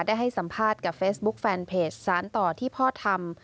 ได้ให้สัมภาษณ์กับเฟซบุ๊คแฟนเพจสารต่อที่พ่อทำ